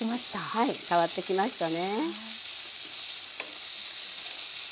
はい変わってきましたね。